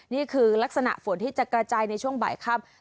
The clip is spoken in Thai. นี่คือลักษณะฝนที่จะกระจายในช่วงบ่ายค่ำ